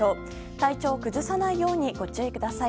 体調を崩さないようにご注意ください。